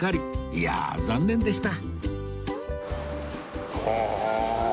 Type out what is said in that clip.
いや残念でした